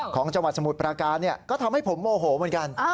ของจังหวัดสมุทรปราการก็ทำให้ผมโมโหเหมือนกัน